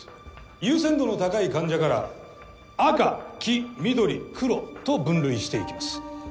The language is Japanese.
優先度の高い患者から赤黄緑黒と分類していきます。